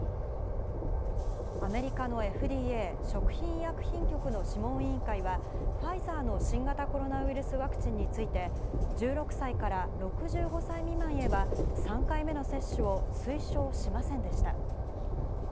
アメリカのＦＤＡ・食品医薬品局の諮問委員会は、ファイザーの新型コロナウイルスワクチンについて、１６歳から６５歳未満へは、３回目の接種を推奨しませんでした。